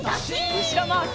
うしろまわし。